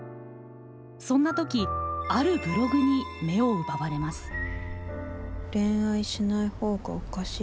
そんな時あるブログに目を奪われます。